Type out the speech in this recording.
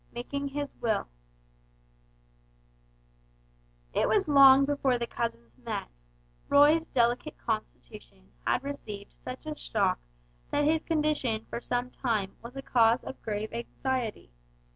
IX MAKING HIS WILL It was long before the cousins met; Roy's delicate constitution had received such a shock that his condition for some time was a cause of grave anxiety.